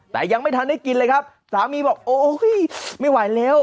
แต่ยังไม่ทันได้กินเลยครับสามีบอกโอ้ยไม่ไหวแล้ว